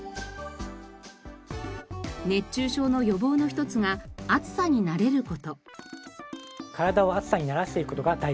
熱中症の予防の一つが暑さに慣れる事。